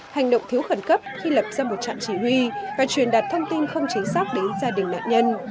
hành động thiếu khẩn cấp khi lập ra một trạng chỉ huy và truyền đặt thông tin không chính xác đến gia đình nạn nhân